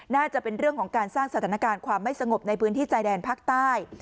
น่าจะเป็นเรื่องของการสร้างสถานการณ์ความไม่สงบในพื้นที่ชายแดนภาคใต้